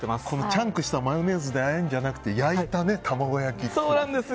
チャンクしたマヨネーズであえるんじゃなくて焼いた卵焼きっていう。